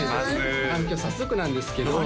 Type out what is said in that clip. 今日早速なんですけど何？